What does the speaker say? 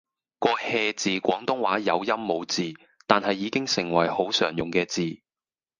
個 hea 字廣東話有音無字，但係已經成為好常用嘅字